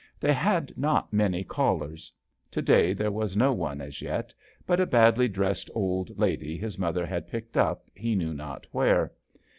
They had not many callers. To day there was no one as yet but a badly dressed old lady his mother had picked up he knew not where..